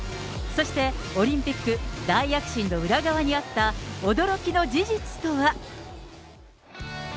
そしてオリンピック大躍進の裏側にあった、驚きの事実とは。